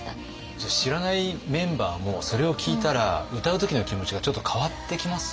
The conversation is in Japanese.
じゃあ知らないメンバーもそれを聞いたら歌う時の気持ちがちょっと変わってきますよね。